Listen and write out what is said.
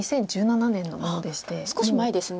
少し前ですね。